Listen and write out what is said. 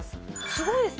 すごいですね。